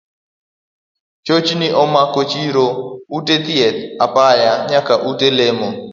Chochni omako chiro, ute thieth, apaya nyaka ute lemo.